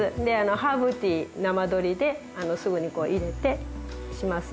ハーブティー生採りですぐにいれてしますので。